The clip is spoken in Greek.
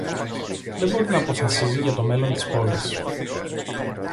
δεν μπορεί να αποφασίζει για το μέλλον της πόλης